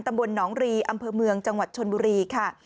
ตำบลหนองรีอำเภอเมืองจังหวัดชนบุรีค่ะ